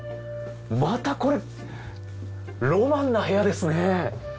またこれロマンな部屋ですね。